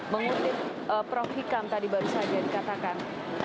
mengutip prof hikam tadi baru saja dikatakan